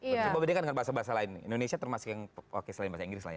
semua bedakan dengan bahasa bahasa lain indonesia termasuk yang oke selain bahasa inggris lah ya